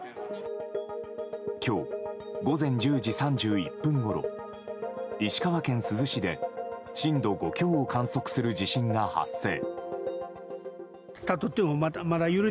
今日午前１０時３１分ごろ石川県珠洲市で震度５強を観測する地震が発生。